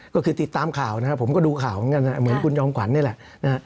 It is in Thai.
ก็คือติดตามข่าวนะครับผมก็ดูข่าวเหมือนคุณยองขวัญเนี่ยแหละ